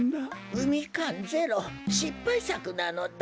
うみかんゼロしっぱいさくなのだ。